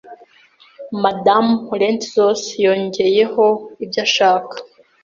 Madamu Lentzos yongeyeho ibyo ashaka